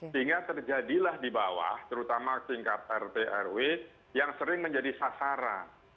sehingga terjadilah di bawah terutama tingkat rt rw yang sering menjadi sasaran